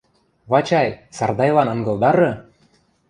— Вачай, Сардайлан ынгылдары!